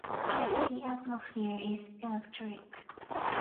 The atmosphere is electric.